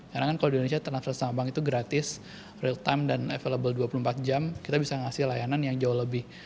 karena kan kalau di indonesia transfer sama bank itu gratis real time dan available dua puluh empat jam kita bisa ngasih layanan yang jauh lebih